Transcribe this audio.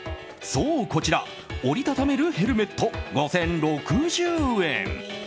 そう、こちら折り畳めるヘルメット５０６０円。